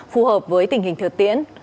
phù hợp với tình hình thực tiễn